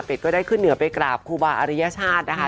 เป็นก็ได้ขึ้นเหนือไปกราบครูบาอริยชาตินะคะ